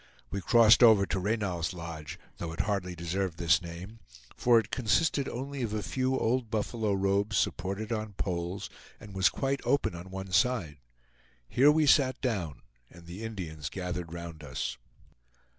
We crossed over to Reynal's lodge, though it hardly deserved this name, for it consisted only of a few old buffalo robes, supported on poles, and was quite open on one side. Here we sat down, and the Indians gathered round us.